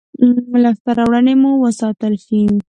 لاسته راوړنې مو وساتل شي.